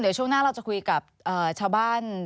เดี๋ยวช่วงหน้าเราจะคุยกับชาวบ้าน